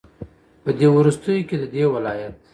په دې وروستيو كې ددې ولايت